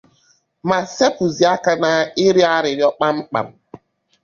ma sepuzie aka n'ịrịọ arịrịọ kpamkpam.